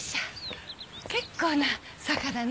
結構な坂だね。